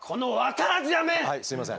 はいすいません。